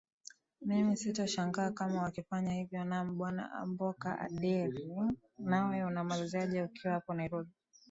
mimi sitashangaa kama wakifanya hivyo naam bwana amboka andere nawe unamaliziaje ukiwa hapo nairobi